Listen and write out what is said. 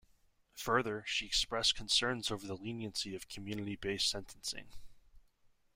Further, she expressed concerns over the leniency of community-based sentencing.